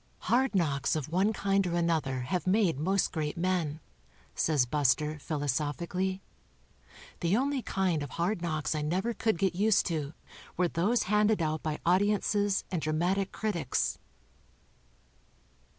"Hard knocks of one kind or another have made most great men," says Bus ter, philosophic ally. "The only kind of hard knocks I never could get used to w'ere those hand ed out by audi ences and dra matic critics."